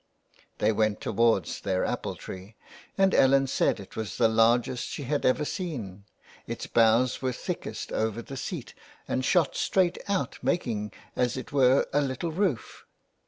They went towards their apple tree, and Ellen said it was the largest she had ever seen ; its boughs were thickest over the seat, and shot straight out, making as it were a little roof.